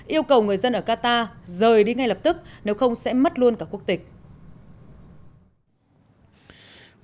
yêu cầu người dân ở qatar rời đi ngay lập tức nếu không sẽ mất luôn cả quốc tịch